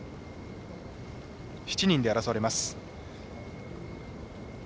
７人で争われます。